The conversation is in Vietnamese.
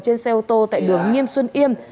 trên xe ô tô tại đường nghiêm xuân yêm